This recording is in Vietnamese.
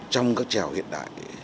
trong các trèo hiện đại